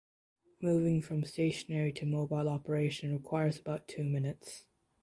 Moving from stationary to mobile operation requires about two minutes.